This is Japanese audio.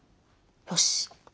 よし。